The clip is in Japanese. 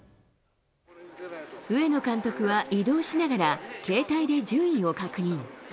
上野監督は移動しながら、携帯で順位を確認。